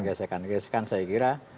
gesekan gesekan saya kira